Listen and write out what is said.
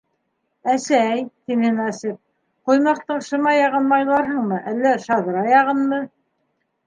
- Әсәй, - тине Насип, - ҡоймаҡтың шыма яғын майларһыңмы әллә шаҙра яғынмы?